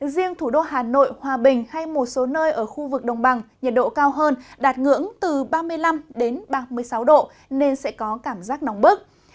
riêng thủ đô hà nội hòa bình hay một số nơi ở khu vực đồng bằng nhiệt độ cao hơn đạt ngưỡng từ ba mươi năm ba mươi sáu độ nên sẽ có cảm giác nóng bức